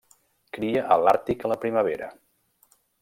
Cria a l'Àrtic a la primavera.